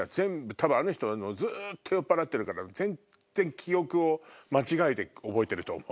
多分あの人ずっと酔っぱらってるから全然記憶を間違えて覚えてると思う。